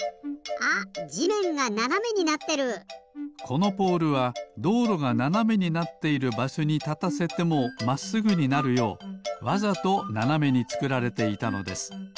このポールはどうろがななめになっているばしょにたたせてもまっすぐになるようわざとななめにつくられていたのです。